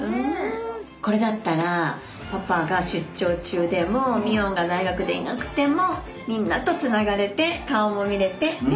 これだったらパパが出張中でもミオンが大学でいなくてもみんなとつながれて顔も見れてね。